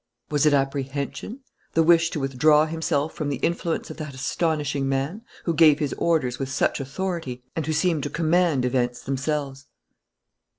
Was it apprehension, the wish to withdraw himself from the influence of that astonishing man, who gave his orders with such authority and who seemed to command events themselves?